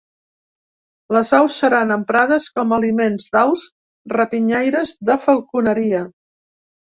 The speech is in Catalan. Les aus seran emprades com aliment d’aus rapinyaires de falconeria.